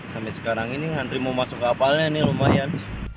sampai sekarang ini ngantri mau masuk kapalnya nih lumayan